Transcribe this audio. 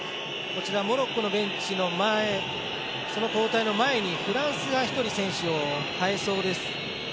モロッコの交代の前にフランスが１人選手を代えそうです。